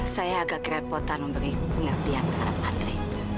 saya agak kerepotan memberi pengertian terhadap andre